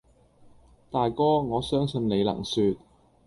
大哥，我相信你能説，